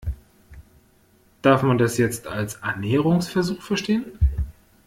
Darf man das jetzt als Annäherungsversuch verstehen?